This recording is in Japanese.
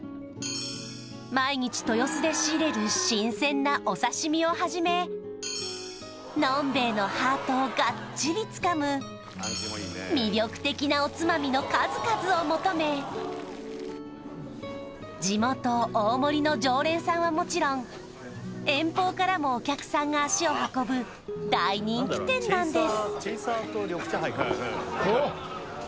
毎日豊洲で仕入れる新鮮なお刺身をはじめ飲んべえのハートをがっちりつかむ魅力的なおつまみの数々を求め地元・大森の常連さんはもちろん遠方からもお客さんが足を運ぶ大人気店なんです